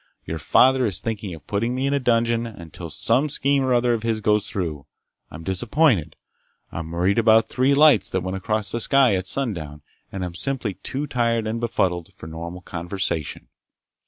Your father is thinking of putting me in a dungeon until some scheme or other of his goes through. I'm disappointed. I'm worried about three lights that went across the sky at sundown and I'm simply too tired and befuddled for normal conversation."